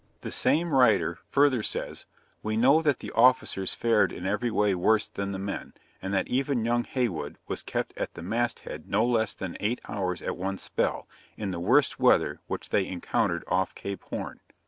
The same writer further says, 'We know that the officers fared in every way worse than the men, and that even young Heywood was kept at the mast head no less than eight hours at one spell, in the worst weather which they encountered off Cape Horn.'